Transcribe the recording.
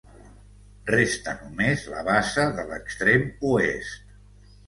Resta només la bassa de l'extrem oest.